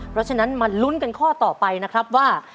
เพราะฉะนั้นมาลุ้นกันข้อต่อไปนะครับว่า